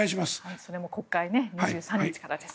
それも国会２３日からです。